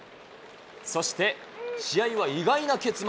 そして、試合は意外な結末。